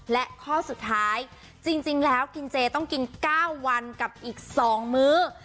และข้อสุดท้ายจริงแล้วกินเจต้องกิน๙วันกับอีก๒มื้อ